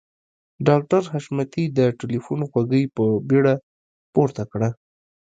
ډاکټر حشمتي د ټليفون غوږۍ په بیړه پورته کړه.